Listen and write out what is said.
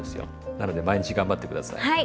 なので毎日頑張って下さい。